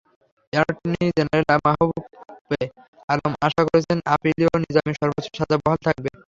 Attorney general Mahbube Alam আশা করেছেন, আপিলেও নিজামীর সর্বোচ্চ সাজা বহাল থাকবে।